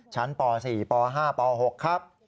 ชั้นป๔ป๕ป๖ครับ